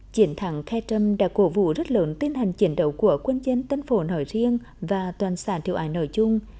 chiến thắng cây trâm đã cố vụ rất lớn tiến hành chiến đấu của quân dân tân phổ nội riêng và toàn xã triều ái nội chung